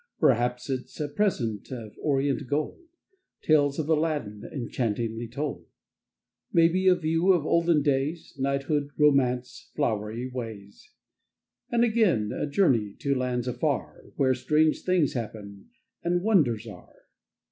Perhaps it's a present Of orient gold, Tales of Aladdin Enchantingly told. Maybe a view Of olden days, Knighthood — Romance, Flowery ways. And again a journey To lands afar, Where strange things happen, And wonders are.